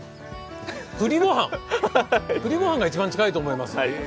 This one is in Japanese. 栗ご飯が一番近いと思います。